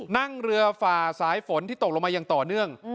นั่งเรือฝ่าสายฝนที่ตกลงมาอย่างต่อเนื่อง